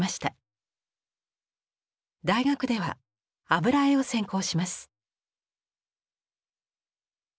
大学では油絵を専攻します。